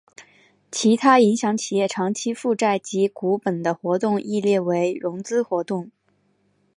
其他影响企业长期负债及股本的活动亦列为融资活动。